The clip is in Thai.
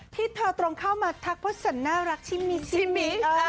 ที่เธอตรงเข้ามาทักว่าฉันน่ารักชิมิกชิมิ